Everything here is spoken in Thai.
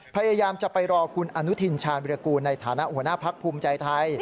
พยายามจะไปรอคุณอนุทินชาญวิรากูลในฐานะหัวหน้าพักภูมิใจไทย